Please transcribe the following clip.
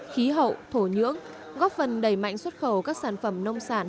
khí hậu thổ nhưỡng góp phần đầy mạnh xuất khẩu các sản phẩm nông sản